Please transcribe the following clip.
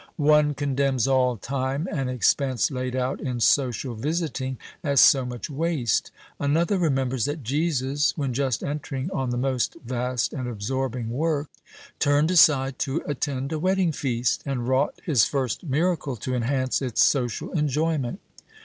One condemns all time and expense laid out in social visiting as so much waste. Another remembers that Jesus, when just entering on the most vast and absorbing work, turned aside to attend a wedding feast, and wrought his first miracle to enhance its social enjoyment.